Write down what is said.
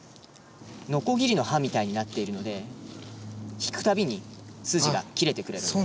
のこぎりの刃みたいになっているので引くたびに筋が切れてくれるんです。